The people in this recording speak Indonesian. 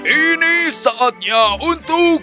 ini saatnya untuk